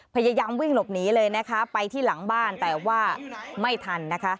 พยายามวิ่งหลบหนีเลยนะคะไปที่หลังบ้านแต่ว่าไม่ทันนะคะ